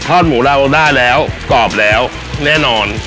หมูเราได้แล้วกรอบแล้วแน่นอน